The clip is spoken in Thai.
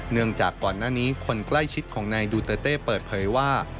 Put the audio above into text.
จากก่อนหน้านี้คนใกล้ชิดของนายดูเตอร์เต้เปิดเผยว่า